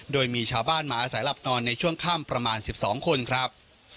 โดยมีชาวบ้านมาอาศัยหลับนอนในช่วงค่ำประมาณ๑๒คนครับ